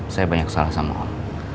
saya banyak salah sama om